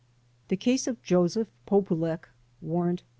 The case of Joseph Polulech (Warrant No.